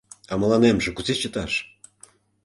А мыланемже кузе чыташ?